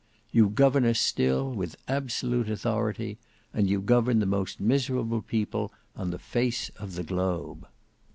You govern us still with absolute authority—and you govern the most miserable people on the face of the globe."